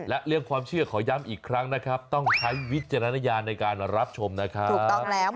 และเรื่องความเชื่อขอย้ำอีกครั้งนะครับต้องใช้วิจารณญาณในการรับชมนะครับ